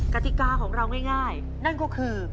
กติกาของเราง่ายนั่นก็คือ